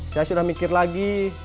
saya sudah mikir lagi